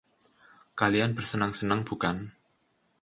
Kalian bersenang-senang, bukan?